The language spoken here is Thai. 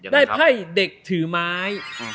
ไพ่เด็กถือไม้